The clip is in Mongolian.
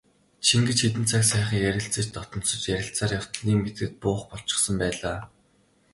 Чингэж хэдэн цаг сайхан ярилцан дотносож ярилцсаар явтал нэг мэдэхэд буух болчихсон байлаа.